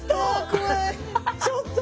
ちょっと！